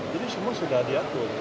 jadi semua sudah diatur